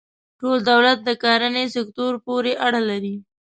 ټول تولید یې د کرنې سکتور پورې اړه لري.